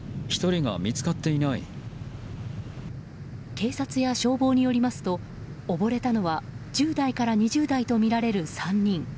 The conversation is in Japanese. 警察や消防によりますと溺れたのは１０代から２０代とみられる３人。